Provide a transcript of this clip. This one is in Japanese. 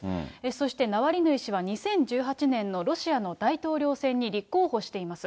そして、ナワリヌイ氏は２０１８年のロシアの大統領選に立候補しています。